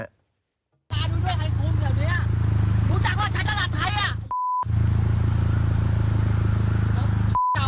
เฮ่ยรถไทยไอ้อ่ะ